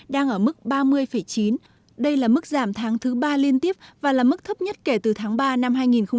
đang ở mức ba mươi chín đây là mức giảm tháng thứ ba liên tiếp và là mức thấp nhất kể từ tháng ba năm hai nghìn một mươi chín